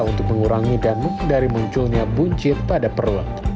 untuk mengurangi dan menghindari munculnya buncit pada perut